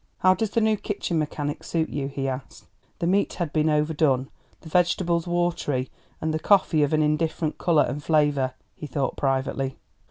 "How does the new kitchen mechanic suit you?" he asked. The meat had been overdone, the vegetables watery and the coffee of an indifferent colour and flavour, he thought privately.